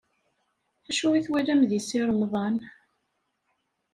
Acu i twalam deg Si Remḍan?